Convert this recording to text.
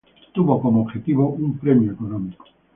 Tuvo como objetivo un premio económico.